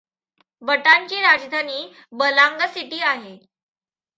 बटानची राजधानी बलांगा सिटी आहे.